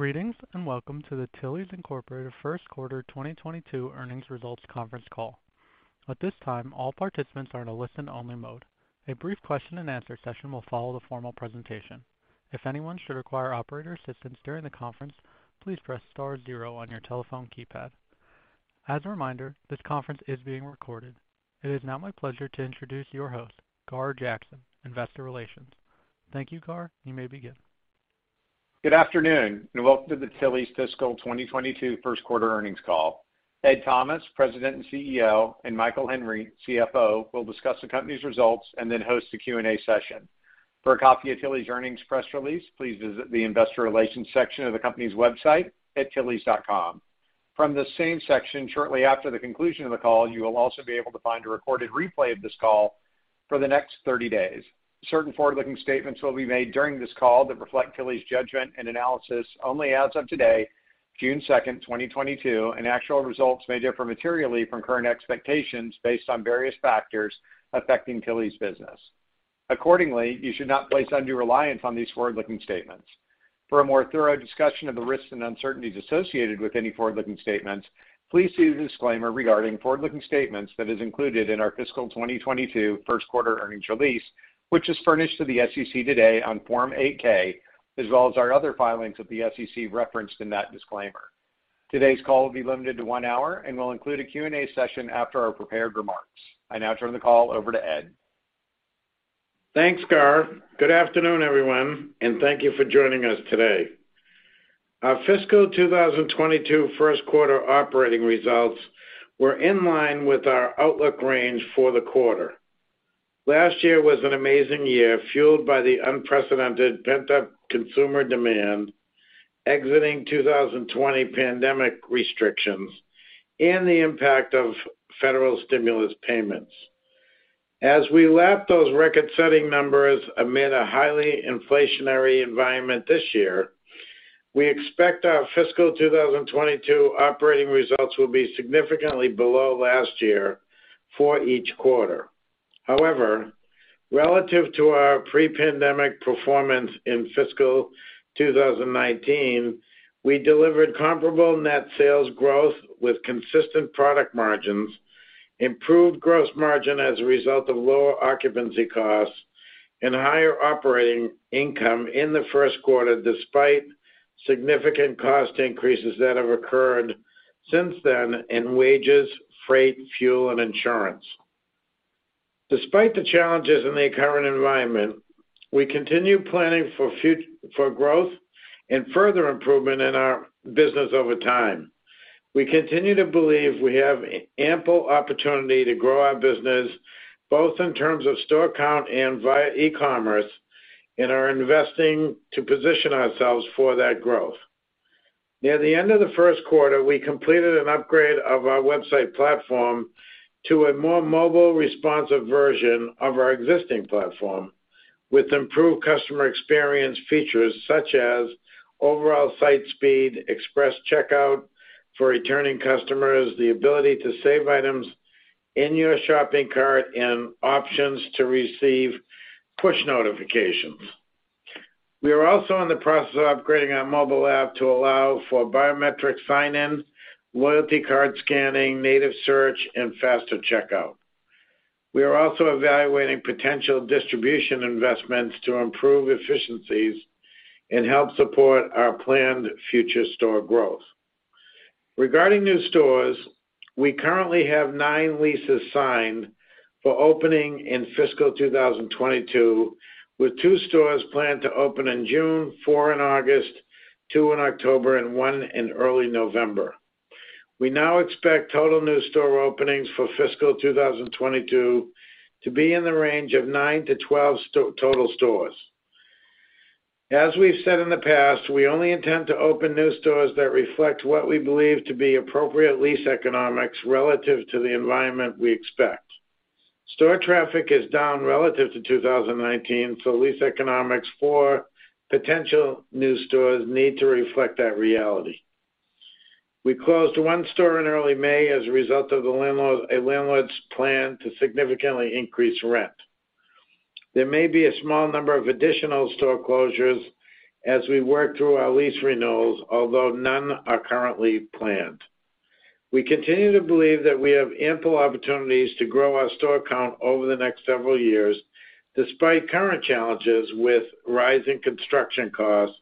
Greetings, and Welcome to the Tilly's, Inc. First Quarter 2022 Earnings Results Conference Call. At this time, all participants are in a listen only mode. A brief question-and-answer session will follow the formal presentation. If anyone should require operator assistance during the conference, please press star zero on your telephone keypad. As a reminder, this conference is being recorded. It is now my pleasure to introduce your host, Gar Jackson, Investor Relations. Thank you, Gar. You may begin. Good afternoon, and welcome to the Tilly's Fiscal 2022 First Quarter Earnings call. Ed Thomas, President and CEO, and Michael Henry, CFO, will discuss the company's results and then host a Q&A session. For a copy of Tilly's earnings press release, please visit the investor relations section of the company's website at tillys.com. From the same section shortly after the conclusion of the call, you will also be able to find a recorded replay of this call for the next 30 days. Certain forward-looking statements will be made during this call that reflect Tilly's judgment and analysis only as of today, June 2nd, 2022, and actual results may differ materially from current expectations based on various factors affecting Tilly's business. Accordingly, you should not place undue reliance on these forward-looking statements. For a more thorough discussion of the risks and uncertainties associated with any forward-looking statements, please see the disclaimer regarding forward-looking statements that is included in our fiscal 2022 first quarter earnings release, which is furnished to the SEC today on Form 8-K, as well as our other filings with the SEC referenced in that disclaimer. Today's call will be limited to one hour and will include a Q&A session after our prepared remarks. I now turn the call over to Ed. Thanks, Gar. Good afternoon, everyone, and thank you for joining us today. Our fiscal 2022 first quarter operating results were in line with our outlook range for the quarter. Last year was an amazing year, fueled by the unprecedented pent-up consumer demand exiting 2020 pandemic restrictions and the impact of federal stimulus payments. As we lap those record-setting numbers amid a highly inflationary environment this year, we expect our fiscal 2022 operating results will be significantly below last year for each quarter. However, relative to our pre-pandemic performance in fiscal 2019, we delivered comparable net sales growth with consistent product margins, improved gross margin as a result of lower occupancy costs, and higher operating income in the first quarter, despite significant cost increases that have occurred since then in wages, freight, fuel, and insurance. Despite the challenges in the current environment, we continue planning for growth and further improvement in our business over time. We continue to believe we have ample opportunity to grow our business, both in terms of store count and via e-commerce, and are investing to position ourselves for that growth. Near the end of the first quarter, we completed an upgrade of our website platform to a more mobile, responsive version of our existing platform with improved customer experience features such as overall site speed, express checkout for returning customers, the ability to save items in your shopping cart, and options to receive push notifications. We are also in the process of upgrading our mobile app to allow for biometric sign-ins, loyalty card scanning, native search, and faster checkout. We are also evaluating potential distribution investments to improve efficiencies and help support our planned future store growth. Regarding new stores, we currently have 9 leases signed for opening in fiscal 2022, with 2 stores planned to open in June, 4 in August, 2 in October, and 1 in early November. We now expect total new store openings for fiscal 2022 to be in the range of 9 to 12 total stores. As we've said in the past, we only intend to open new stores that reflect what we believe to be appropriate lease economics relative to the environment we expect. Store traffic is down relative to 2019, so lease economics for potential new stores need to reflect that reality. We closed 1 store in early May as a result of a landlord's plan to significantly increase rent. There may be a small number of additional store closures as we work through our lease renewals, although none are currently planned. We continue to believe that we have ample opportunities to grow our store count over the next several years, despite current challenges with rising construction costs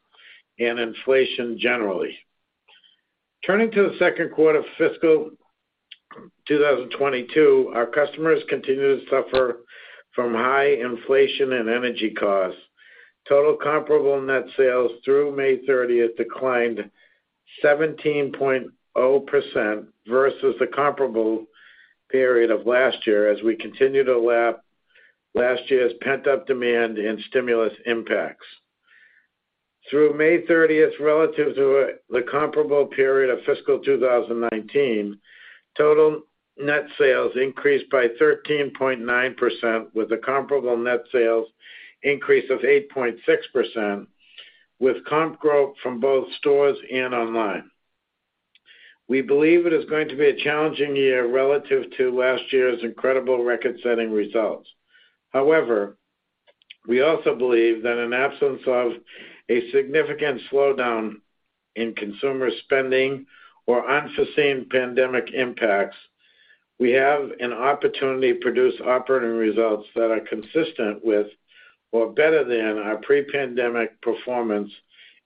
and inflation generally. Turning to the second quarter of fiscal 2022, our customers continue to suffer from high inflation and energy costs. Total comparable net sales through May 30th declined 17.0% versus the comparable period of last year as we continue to lap last year's pent-up demand and stimulus impacts. Through May 30th, relative to the comparable period of fiscal 2019, total net sales increased by 13.9%, with a comparable net sales increase of 8.6%, with comp growth from both stores and online. We believe it is going to be a challenging year relative to last year's incredible record-setting results. However, we also believe that in absence of a significant slowdown in consumer spending or unforeseen pandemic impacts, we have an opportunity to produce operating results that are consistent with or better than our pre-pandemic performance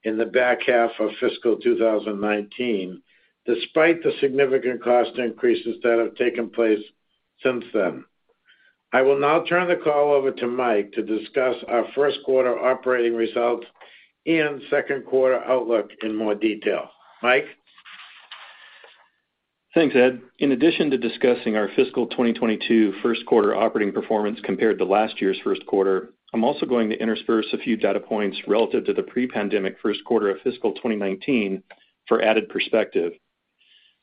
in the back half of fiscal 2019, despite the significant cost increases that have taken place since then. I will now turn the call over to Mike to discuss our first quarter operating results and second quarter outlook in more detail. Mike? Thanks, Ed. In addition to discussing our fiscal 2022 first quarter operating performance compared to last year's first quarter, I'm also going to intersperse a few data points relative to the pre-pandemic first quarter of fiscal 2019 for added perspective.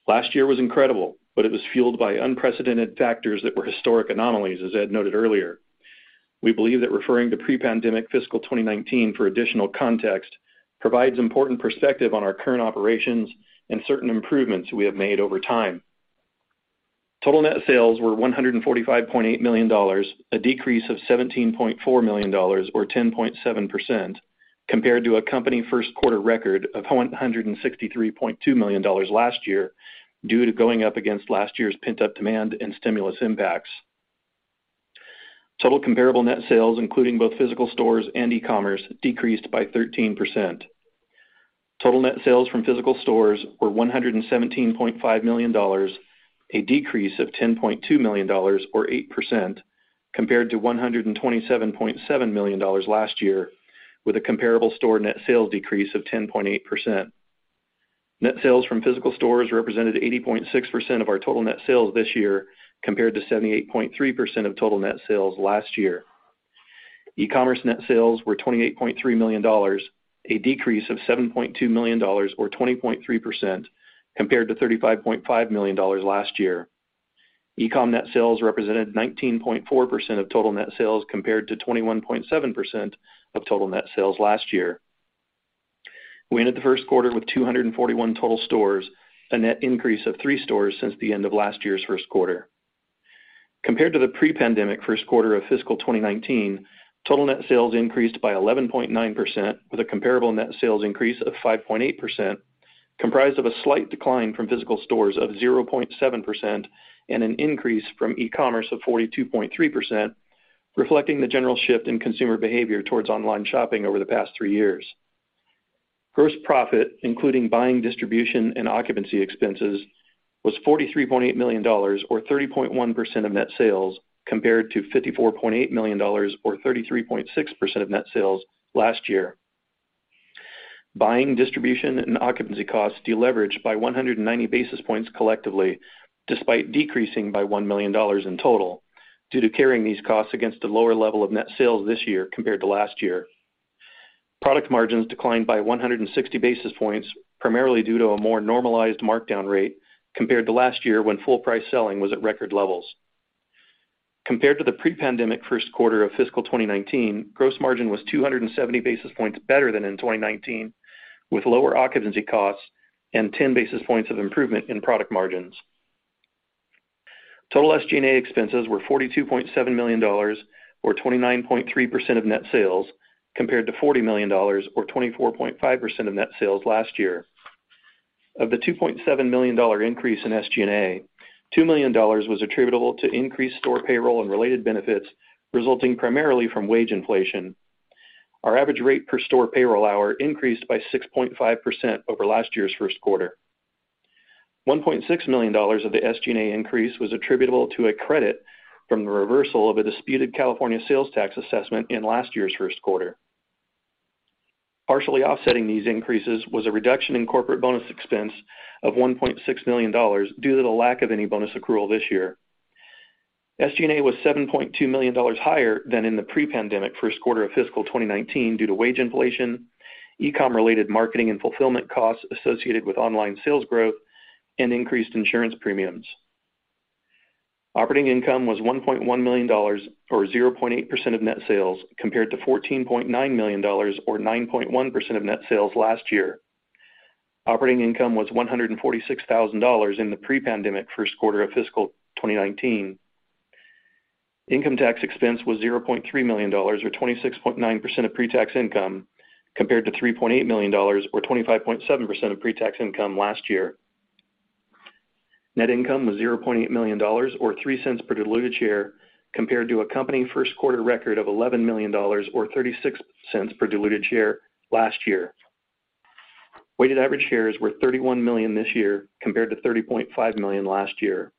Last year was incredible, but it was fueled by unprecedented factors that were historic anomalies, as Ed noted earlier. We believe that referring to pre-pandemic fiscal 2019 for additional context provides important perspective on our current operations and certain improvements we have made over time. Total net sales were $145.8 million, a decrease of $17.4 million or 10.7% compared to a company first quarter record of $163.2 million last year due to going up against last year's pent-up demand and stimulus impacts. Total comparable net sales, including both physical stores and e-commerce, decreased by 13%. Total net sales from physical stores were $117.5 million, a decrease of $10.2 million or 8% compared to $127.7 million last year, with a comparable store net sales decrease of 10.8%. Net sales from physical stores represented 80.6% of our total net sales this year compared to 78.3% of total net sales last year. E-commerce net sales were $28.3 million, a decrease of $7.2 million or 20.3% compared to $35.5 million last year. E-com net sales represented 19.4% of total net sales compared to 21.7% of total net sales last year. We ended the first quarter with 241 total stores, a net increase of 3 stores since the end of last year's first quarter. Compared to the pre-pandemic first quarter of fiscal 2019, total net sales increased by 11.9% with a comparable net sales increase of 5.8%, comprised of a slight decline from physical stores of 0.7% and an increase from e-commerce of 42.3%, reflecting the general shift in consumer behavior towards online shopping over the past 3 years. Gross profit, including buying, distribution, and occupancy expenses, was $43.8 million or 30.1% of net sales, compared to $54.8 million or 33.6% of net sales last year. Buying, distribution, and occupancy costs deleveraged by 190 basis points collectively, despite decreasing by $1 million in total due to carrying these costs against a lower level of net sales this year compared to last year. Product margins declined by 160 basis points, primarily due to a more normalized markdown rate compared to last year when full price selling was at record levels. Compared to the pre-pandemic first quarter of fiscal 2019, gross margin was 270 basis points better than in 2019, with lower occupancy costs and 10 basis points of improvement in product margins. Total SG&A expenses were $42.7 million or 29.3% of net sales, compared to $40 million or 24.5% of net sales last year. Of the $2.7 million increase in SG&A, $2 million was attributable to increased store payroll and related benefits, resulting primarily from wage inflation. Our average rate per store payroll hour increased by 6.5% over last year's first quarter. $1.6 million of the SG&A increase was attributable to a credit from the reversal of a disputed California sales tax assessment in last year's first quarter. Partially offsetting these increases was a reduction in corporate bonus expense of $1.6 million due to the lack of any bonus accrual this year. SG&A was $7.2 million higher than in the pre-pandemic first quarter of fiscal 2019 due to wage inflation, e-com related marketing and fulfillment costs associated with online sales growth, and increased insurance premiums. Operating income was $1.1 million or 0.8% of net sales, compared to $14.9 million or 9.1% of net sales last year. Operating income was $146,000 in the pre-pandemic first quarter of fiscal 2019. Income tax expense was $0.3 million or 26.9% of pre-tax income, compared to $3.8 million or 25.7% of pre-tax income last year. Net income was $0.8 million or $0.03 per diluted share, compared to a company first quarter record of $11 million or $0.36 per diluted share last year. Weighted average shares were 31 million this year compared to 30.5 million last year.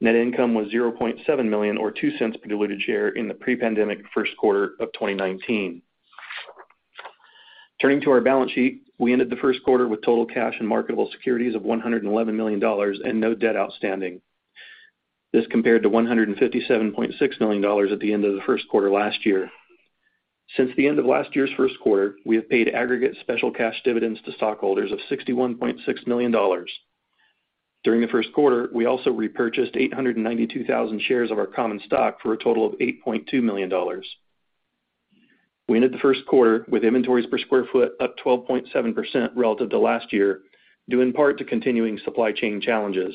Net income was $0.7 million or $0.02 per diluted share in the pre-pandemic first quarter of 2019. Turning to our balance sheet, we ended the first quarter with total cash and marketable securities of $111 million and no debt outstanding. This compared to $157.6 million at the end of the first quarter last year. Since the end of last year's first quarter, we have paid aggregate special cash dividends to stockholders of $61.6 million. During the first quarter, we also repurchased 892,000 shares of our common stock for a total of $8.2 million. We ended the first quarter with inventories per sq ft up 12.7% relative to last year, due in part to continuing supply chain challenges.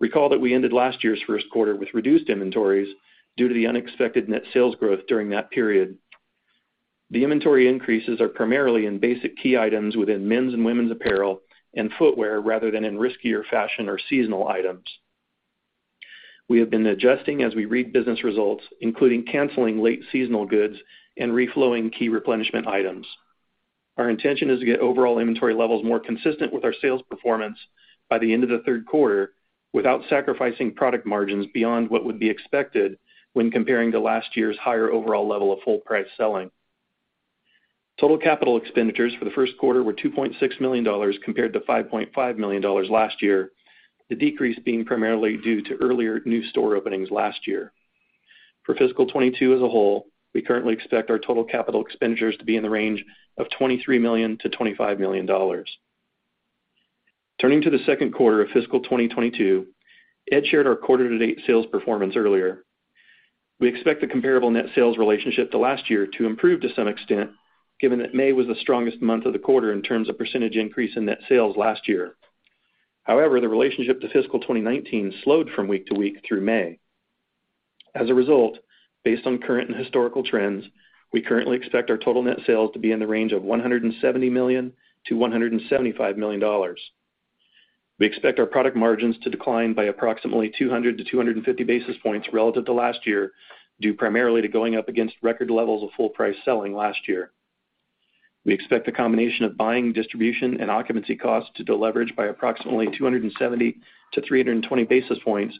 Recall that we ended last year's first quarter with reduced inventories due to the unexpected net sales growth during that period. The inventory increases are primarily in basic key items within men's and women's apparel and footwear rather than in riskier fashion or seasonal items. We have been adjusting as we read business results, including canceling late seasonal goods and reflowing key replenishment items. Our intention is to get overall inventory levels more consistent with our sales performance by the end of the third quarter without sacrificing product margins beyond what would be expected when comparing to last year's higher overall level of full price selling. Total capital expenditures for the first quarter were $2.6 million compared to $5.5 million last year, the decrease being primarily due to earlier new store openings last year. For fiscal 2022 as a whole, we currently expect our total capital expenditures to be in the range of $23 million-$25 million. Turning to the second quarter of fiscal 2022, Ed shared our quarter to date sales performance earlier. We expect the comparable net sales relationship to last year to improve to some extent, given that May was the strongest month of the quarter in terms of percentage increase in net sales last year. However, the relationship to fiscal 2019 slowed from week to week through May. As a result, based on current and historical trends, we currently expect our total net sales to be in the range of $170 million-$175 million. We expect our product margins to decline by approximately 200-250 basis points relative to last year, due primarily to going up against record levels of full price selling last year. We expect a combination of buying, distribution and occupancy costs to deleverage by approximately 270-320 basis points,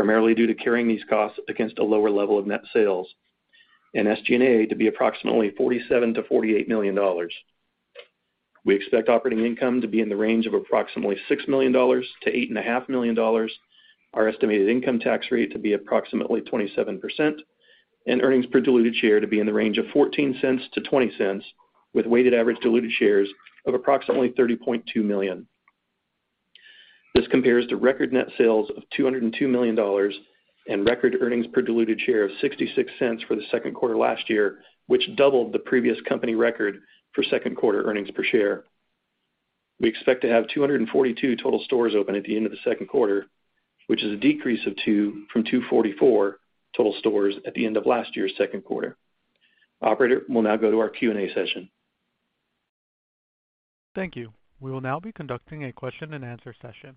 primarily due to carrying these costs against a lower level of net sales, and SG&A to be approximately $47 million-$48 million. We expect operating income to be in the range of approximately $6 million-$8.5 million. Our estimated income tax rate to be approximately 27% and earnings per diluted share to be in the range of $0.14-$0.20, with weighted average diluted shares of approximately 30.2 million. This compares to record net sales of $202 million and record earnings per diluted share of $0.66 for the second quarter last year, which doubled the previous company record for second quarter earnings per share. We expect to have 242 total stores open at the end of the second quarter, which is a decrease of 2 from 244 total stores at the end of last year's second quarter. Operator, we'll now go to our Q&A session. Thank you. We will now be conducting a question-and-answer session.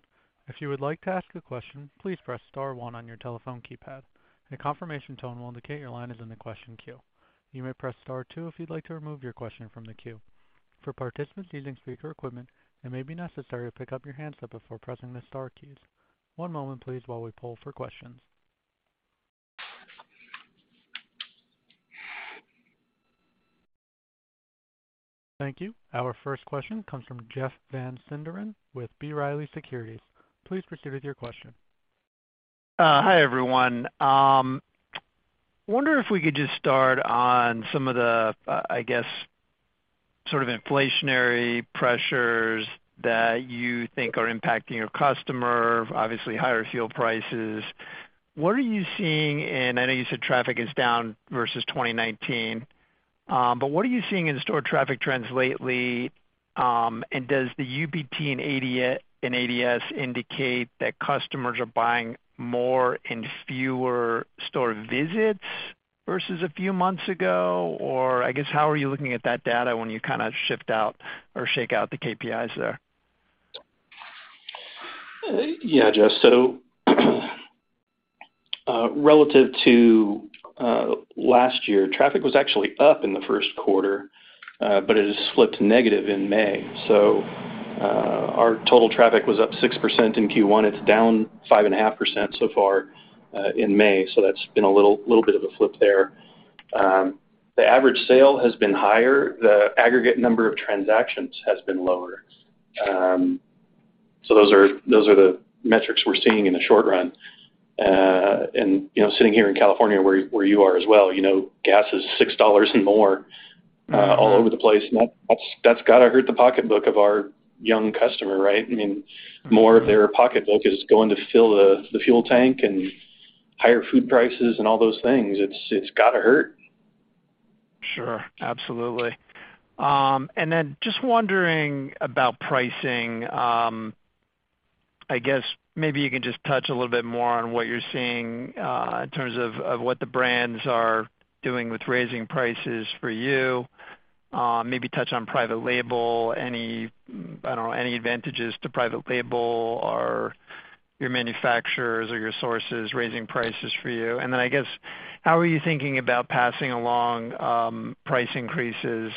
If you would like to ask a question, please press star one on your telephone keypad. A confirmation tone will indicate your line is in the question queue. You may press star two if you'd like to remove your question from the queue. For participants using speaker equipment, it may be necessary to pick up your handset before pressing the star keys. One moment please while we poll for questions. Thank you. Our first question comes from Jeff Van Sinderen with B. Riley Securities. Please proceed with your question. Hi, everyone. Wonder if we could just start on some of the, I guess, sort of inflationary pressures that you think are impacting your customer, obviously higher fuel prices. What are you seeing? I know you said traffic is down versus 2019. What are you seeing in store traffic trends lately? And does the UPT and ADS indicate that customers are buying more in fewer store visits versus a few months ago? I guess, how are you looking at that data when you kinda shift out or shake out the KPIs there? Yeah, Jeff. Relative to last year, traffic was actually up in the first quarter, but it has slipped negative in May. Our total traffic was up 6% in Q1. It's down 5.5% so far in May. That's been a little bit of a flip there. The average sale has been higher. The aggregate number of transactions has been lower. Those are the metrics we're seeing in the short run. You know, sitting here in California where you are as well, you know, gas is $6 and more all over the place. That's gotta hurt the pocketbook of our young customer, right? I mean, more of their pocketbook is going to fill the fuel tank and higher food prices and all those things. It's gotta hurt. Sure. Absolutely. Just wondering about pricing. I guess maybe you can just touch a little bit more on what you're seeing in terms of what the brands are doing with raising prices for you. Maybe touch on private label. I don't know, any advantages to private label or your manufacturers or your sources raising prices for you. I guess how are you thinking about passing along price increases?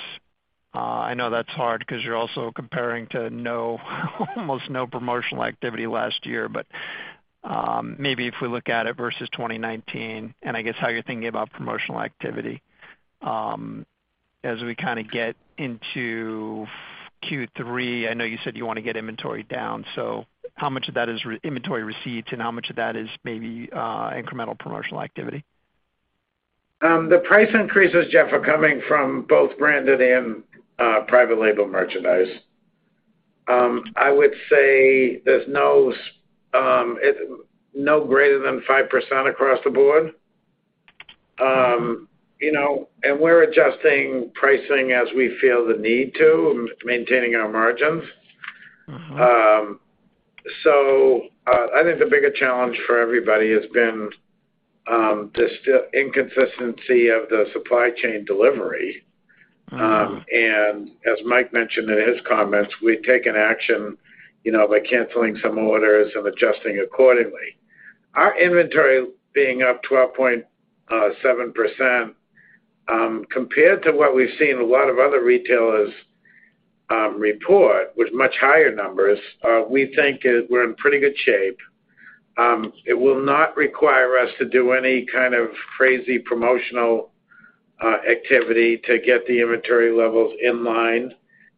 I know that's hard 'cause you're also comparing to almost no promotional activity last year, but maybe if we look at it versus 2019, and I guess how you're thinking about promotional activity as we kinda get into Q3. I know you said you wanna get inventory down, so how much of that is inventory receipts and how much of that is maybe incremental promotional activity? The price increases, Jeff, are coming from both branded and private label merchandise. I would say there's no greater than 5% across the board. You know, we're adjusting pricing as we feel the need to, maintaining our margins. I think the bigger challenge for everybody has been just inconsistency of the supply chain delivery. As Mike mentioned in his comments, we've taken action, you know, by canceling some orders and adjusting accordingly. Our inventory being up 12.7%, compared to what we've seen a lot of other retailers report with much higher numbers, we think we're in pretty good shape. It will not require us to do any kind of crazy promotional activity to get the inventory levels in line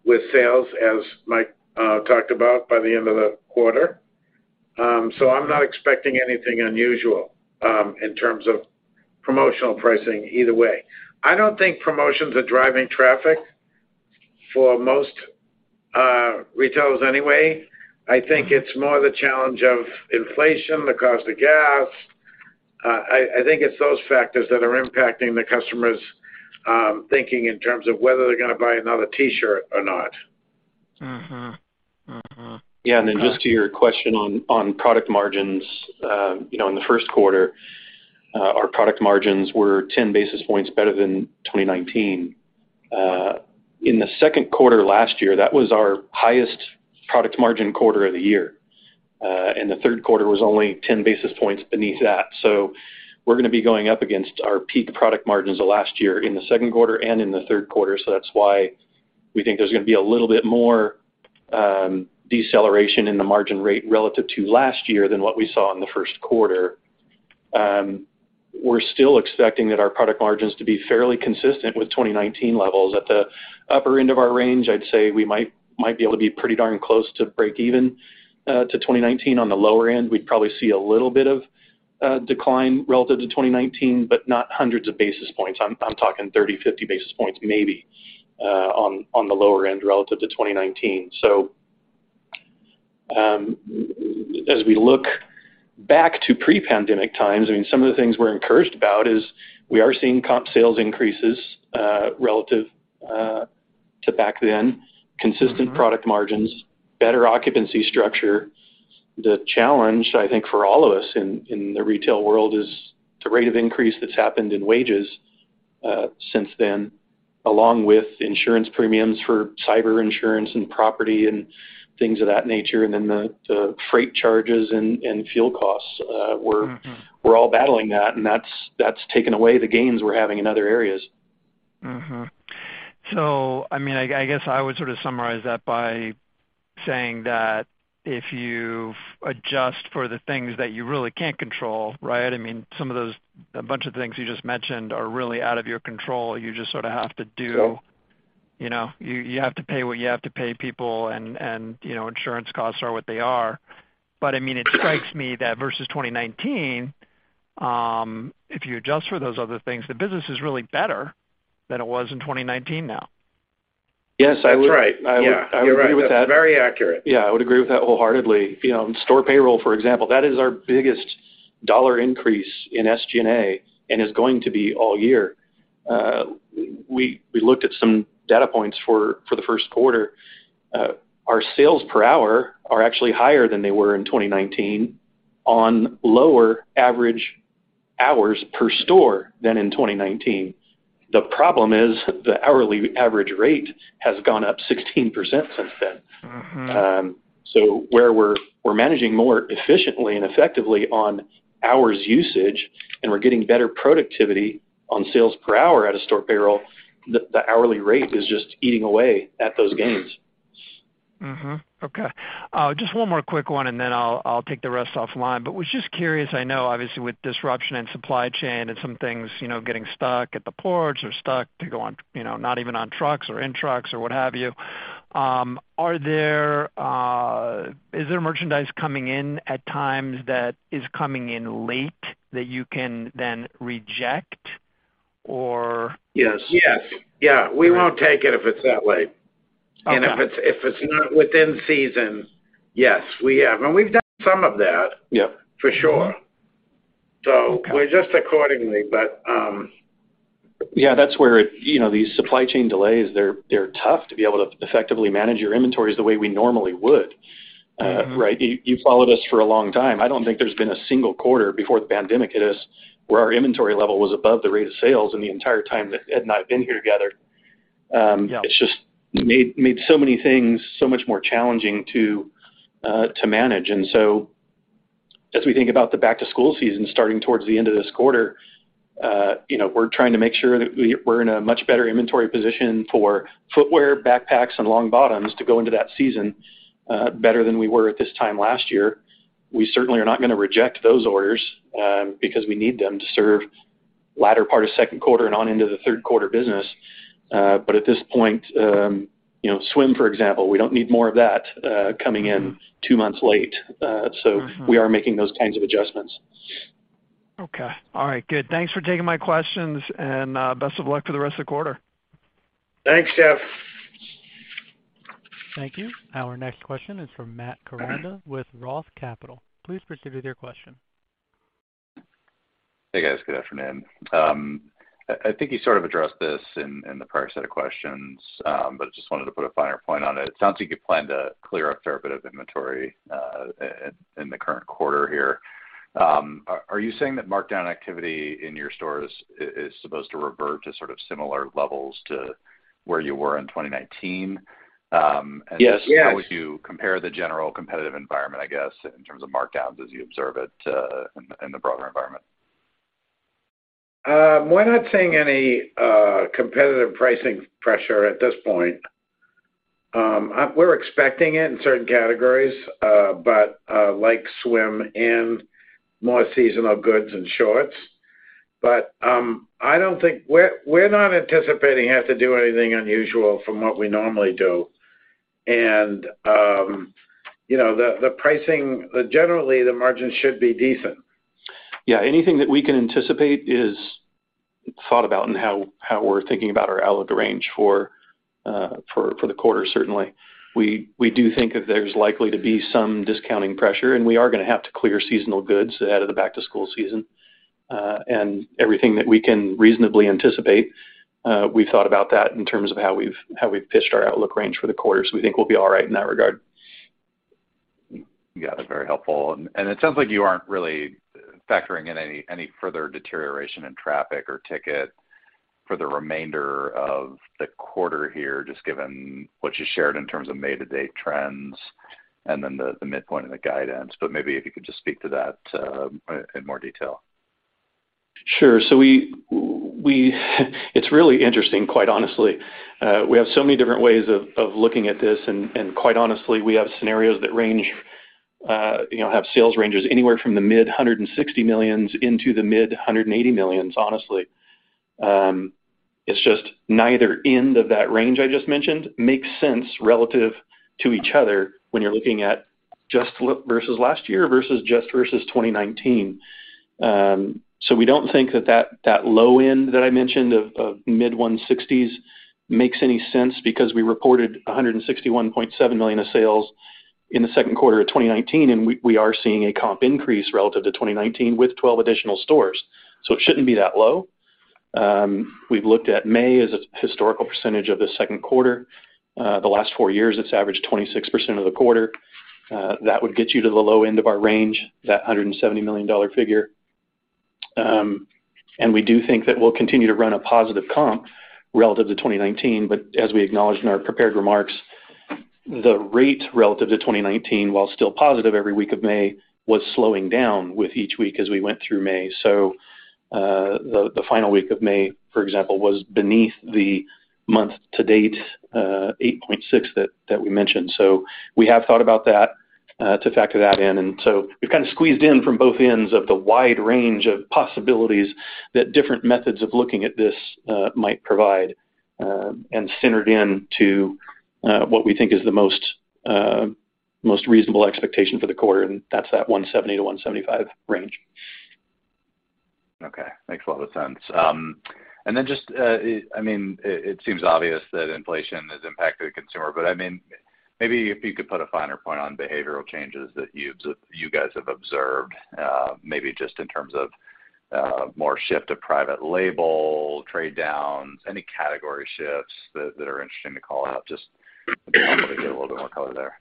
with sales, as Mike talked about by the end of the quarter. I'm not expecting anything unusual in terms of promotional pricing either way. I don't think promotions are driving traffic for most retailers anyway. I think it's more the challenge of inflation, the cost of gas. I think it's those factors that are impacting the customers' thinking in terms of whether they're gonna buy another T-shirt or not. Yeah. Then just to your question on product margins. You know, in the first quarter, our product margins were 10 basis points better than 2019. In the second quarter last year, that was our highest product margin quarter of the year. The third quarter was only 10 basis points beneath that. We're gonna be going up against our peak product margins of last year in the second quarter and in the third quarter, so that's why we think there's gonna be a little bit more deceleration in the margin rate relative to last year than what we saw in the first quarter. We're still expecting that our product margins to be fairly consistent with 2019 levels. At the upper end of our range, I'd say we might be able to be pretty darn close to break even to 2019. On the lower end, we'd probably see a little bit of decline relative to 2019, but not hundreds of basis points. I'm talking 30, 50 basis points maybe, on the lower end relative to 2019. As we look back to pre-pandemic times, I mean, some of the things we're encouraged about is we are seeing comp sales increases, relative to back then. Consistent product margins, better occupancy structure. The challenge, I think, for all of us in the retail world is the rate of increase that's happened in wages, since then, along with insurance premiums for cyber insurance and property and things of that nature, and then the freight charges and fuel costs. We're all battling that, and that's taken away the gains we're having in other areas. Mm-hmm. I mean, I guess I would sort of summarize that by saying that if you adjust for the things that you really can't control, right? I mean, some of those, a bunch of things you just mentioned are really out of your control. You just sort of have to do you know, you have to pay what you have to pay people and, you know, insurance costs are what they are. I mean, it strikes me that versus 2019, if you adjust for those other things, the business is really better than it was in 2019 now. Yes, I would. That's right. Yeah. I would agree with that. You're right. That's very accurate. Yeah. I would agree with that wholeheartedly. You know, store payroll, for example, that is our biggest dollar increase in SG&A and is going to be all year. We looked at some data points for the first quarter. Our sales per hour are actually higher than they were in 2019 on lower average hours per store than in 2019. The problem is the hourly average rate has gone up 16% since then. Where we're managing more efficiently and effectively on hours usage, and we're getting better productivity on sales per hour out-of-store payroll, the hourly rate is just eating away at those gains. Okay. Just one more quick one, and then I'll take the rest offline. I was just curious. I know obviously with disruption in supply chain and some things, you know, getting stuck at the ports or stuck to go on, you know, not even on trucks or in trucks or what have you. Is there merchandise coming in at times that is coming in late that you can then reject or Yes. Yes. Yeah. We won't take it if it's that late. Okay. If it's not within season, yes, we have. We've done some of that. Yeah For sure. Okay. We adjust accordingly. You know, these supply chain delays, they're tough to be able to effectively manage your inventories the way we normally would. Right? You've followed us for a long time. I don't think there's been a single quarter before the pandemic hit us where our inventory level was above the rate of sales in the entire time that Ed and I have been here together. It's just made so many things so much more challenging to manage. As we think about the back-to-school season starting towards the end of this quarter, we're trying to make sure that we're in a much better inventory position for footwear, backpacks, and long bottoms to go into that season, better than we were at this time last year. We certainly are not gonna reject those orders because we need them to serve later part of second quarter and on into the third quarter business. At this point, swim, for example, we don't need more of that coming in two months late. We are making those kinds of adjustments. Okay. All right, good. Thanks for taking my questions, and best of luck for the rest of the quarter. Thanks, Jeff. Thank you. Our next question is from Matt Koranda with ROTH Capital Partners. Please proceed with your question. Hey, guys. Good afternoon. I think you sort of addressed this in the prior set of questions, but just wanted to put a finer point on it. It sounds like you plan to clear up a fair bit of inventory in the current quarter here. Are you saying that markdown activity in your stores is supposed to revert to sort of similar levels to where you were in 2019? Yes, yes How would you compare the general competitive environment, I guess, in terms of markdowns as you observe it, in the broader environment? We're not seeing any competitive pricing pressure at this point. We're expecting it in certain categories, but like swim and more seasonal goods and shorts. I don't think we're not anticipating having to do anything unusual from what we normally do. You know, the pricing generally, the margins should be decent. Yeah, anything that we can anticipate is thought about and how we're thinking about our outlook range for the quarter, certainly. We do think that there's likely to be some discounting pressure, and we are gonna have to clear seasonal goods ahead of the back to school season. Everything that we can reasonably anticipate, we've thought about that in terms of how we've pitched our outlook range for the quarter, so we think we'll be all right in that regard. You got it. Very helpful. It sounds like you aren't really factoring in any further deterioration in traffic or ticket for the remainder of the quarter here, just given what you shared in terms of May to date trends and then the midpoint of the guidance. Maybe if you could just speak to that, in more detail. Sure. It's really interesting, quite honestly. We have so many different ways of looking at this. Quite honestly, we have scenarios that range, you know, have sales ranges anywhere from the mid-$160 million into the mid-$180 million, honestly. It's just neither end of that range I just mentioned makes sense relative to each other when you're looking at just versus last year versus just versus 2019. We don't think that low end that I mentioned of mid-$160s makes any sense because we reported $161.7 million of sales in the second quarter of 2019, and we are seeing a comp increase relative to 2019 with 12 additional stores. It shouldn't be that low. We've looked at May as a historical percentage of the second quarter. The last four years, it's averaged 26% of the quarter. That would get you to the low end of our range, that $170 million figure. We do think that we'll continue to run a positive comp relative to 2019, but as we acknowledged in our prepared remarks, the rate relative to 2019, while still positive every week of May, was slowing down with each week as we went through May. The final week of May, for example, was beneath the month to date 8.6% that we mentioned. We have thought about that to factor that in. We've kind of squeezed in from both ends of the wide range of possibilities that different methods of looking at this might provide, and centered in to what we think is the most reasonable expectation for the quarter, and that's that $170-$175 range. Okay. Makes a lot of sense. Just, I mean, it seems obvious that inflation has impacted the consumer, but, I mean, maybe if you could put a finer point on behavioral changes that you guys have observed, maybe just in terms of more shift to private label, trade downs, any category shifts that are interesting to call out. Just if you could get a little bit more color there?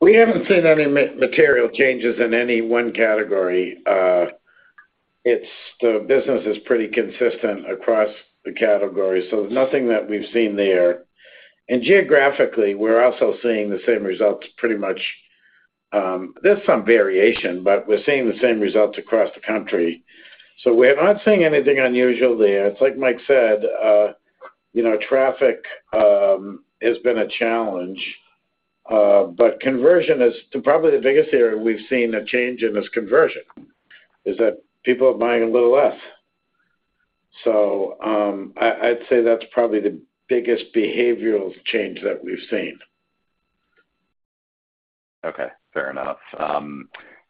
We haven't seen any material changes in any one category. The business is pretty consistent across the categories, so nothing that we've seen there. Geographically, we're also seeing the same results pretty much. There's some variation, but we're seeing the same results across the country. We're not seeing anything unusual there. It's like Mike said, you know, traffic has been a challenge, but conversion is probably the biggest area we've seen a change in is conversion, that people are buying a little less. I'd say that's probably the biggest behavioral change that we've seen. Okay, fair enough.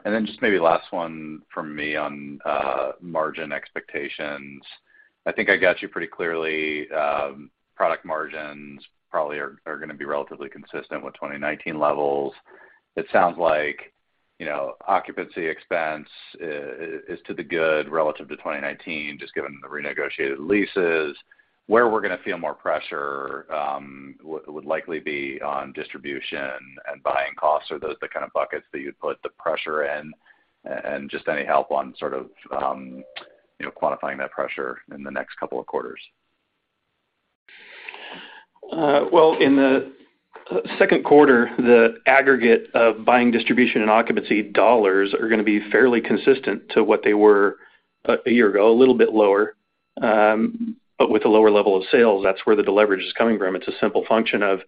Then just maybe last one from me on margin expectations. I think I got you pretty clearly. Product margins probably are gonna be relatively consistent with 2019 levels. It sounds like, you know, occupancy expense is to the good relative to 2019, just given the renegotiated leases. Where we're gonna feel more pressure would likely be on distribution and buying costs. Are those the kind of buckets that you'd put the pressure in? Just any help on sort of, you know, quantifying that pressure in the next couple of quarters. Well, in the second quarter, the aggregate of buying, distribution, and occupancy dollars are gonna be fairly consistent to what they were a year ago, a little bit lower. With a lower level of sales, that's where the deleverage is coming from. It's a simple function of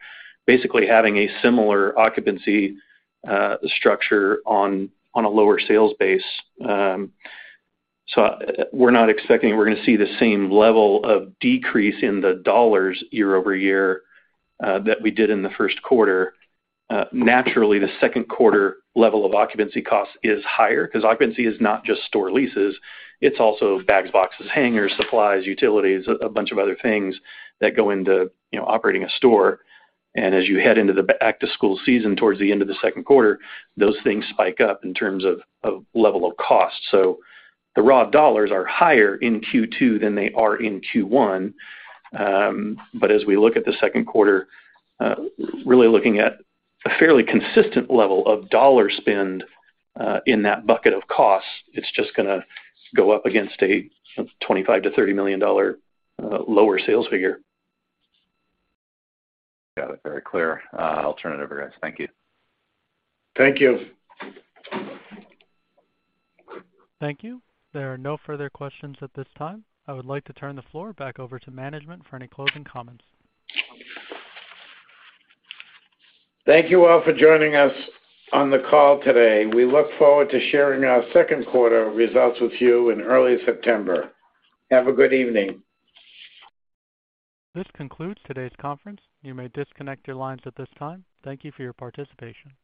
basically having a similar occupancy structure on a lower sales base. We're not expecting we're gonna see the same level of decrease in the dollars year-over-year that we did in the first quarter. Naturally, the second quarter level of occupancy cost is higher 'cause occupancy is not just store leases, it's also bags, boxes, hangers, supplies, utilities, a bunch of other things that go into, you know, operating a store. As you head into the back to school season towards the end of the second quarter, those things spike up in terms of level of cost. The raw dollars are higher in Q2 than they are in Q1. As we look at the second quarter, really looking at a fairly consistent level of dollar spend, in that bucket of costs, it's just gonna go up against a $25 million-$30 million lower sales figure. Got it. Very clear. I'll turn it over, guys. Thank you. Thank you. Thank you. There are no further questions at this time. I would like to turn the floor back over to management for any closing comments. Thank you all for joining us on the call today. We look forward to sharing our second quarter results with you in early September. Have a good evening. This concludes today's conference. You may disconnect your lines at this time. Thank you for your participation.